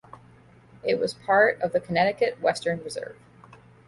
It was part of the Connecticut Western Reserve.